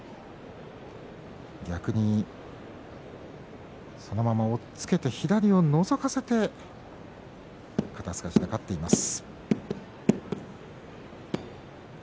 逆に、そのまま押っつけて左をのぞかせて肩すかしで勝っています。